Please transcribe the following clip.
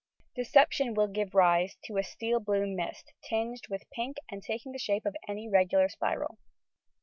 Deception will give rise to a steel blue mist, tinged with pink and taking the shape of any regular spiral.